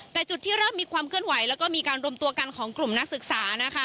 แต่จุดที่เริ่มมีความเคลื่อนไหวแล้วก็มีการรวมตัวกันของกลุ่มนักศึกษานะคะ